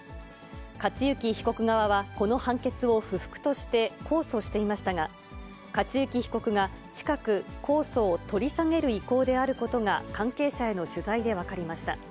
克行被告側はこの判決を不服として控訴していましたが、克行被告が近く、控訴を取り下げる意向であることが関係者への取材で分かりました。